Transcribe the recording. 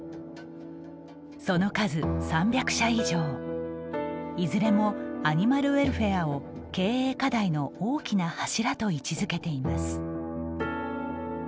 その数いずれもアニマルウェルフェアを経営課題の大きな柱と位置づけています。